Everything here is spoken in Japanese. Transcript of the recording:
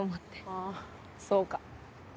ああそうか。